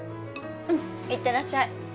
うんいってらっしゃい。